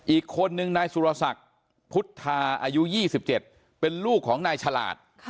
อีกคนนึงนายสุรศักดิ์พุทธาอายุ๒๗เป็นลูกของนายฉลาด